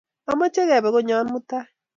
Amoche kepe konyon mutai